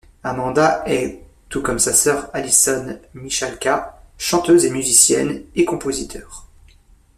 Amanda est, tout comme sa sœur Alyson Michalka, chanteuse et musicienne et compositeur.